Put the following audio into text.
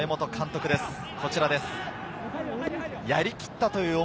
江本監督です。